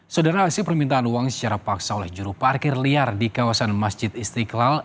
saudara aksi permintaan uang secara paksa oleh juru parkir liar di kawasan masjid istiqlal